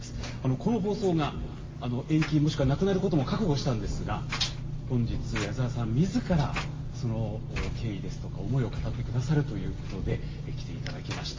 この放送が延期もしくはなくなることが覚悟したんですが本日、矢沢さんみずからその経緯ですとか思いを語ってくださるということで来ていただきました。